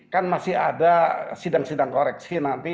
kan masih ada sidang sidang koreksi nanti